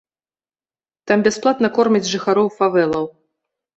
Там бясплатна кормяць жыхароў фавэлаў.